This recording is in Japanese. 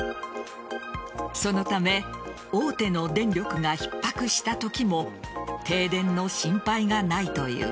そのため大手の電力がひっ迫したときも停電の心配がないという。